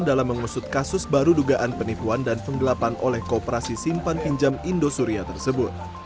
dalam mengusut kasus baru dugaan penipuan dan penggelapan oleh kooperasi simpan pinjam indosuria tersebut